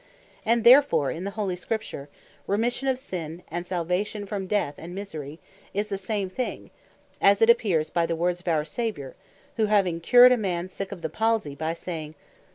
And therefore in the Holy Scripture, Remission of Sinne, and Salvation from Death and Misery, is the same thing, as it appears by the words of our Saviour, who having cured a man sick of the Palsey, by saying, (Mat.